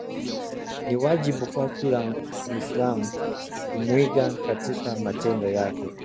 Ni wajibu kwa kila Muislamu kumwiga katika matendo yake